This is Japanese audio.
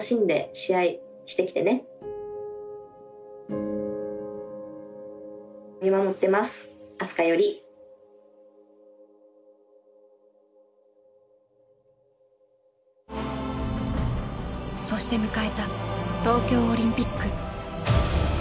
そして迎えた東京オリンピック。